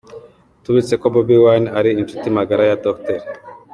Tubibutse ko Bobi Wine ari inshuti magara ya Dr.